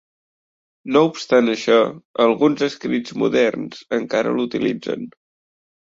No obstant això, alguns escrits moderns encara l'utilitzen.